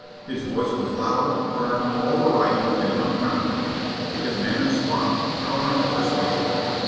His voice was loud, firm, overriding and unconquerable; his manner suave, tolerant, persuasive.